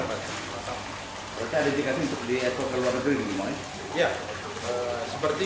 berarti ada dikasih untuk di airport ke luar negeri